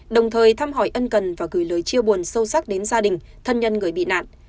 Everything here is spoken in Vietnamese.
đồng thời thăm hỏi ân cần và gửi lời chia buồn sâu sắc đến gia đình thân nhân người bị nạn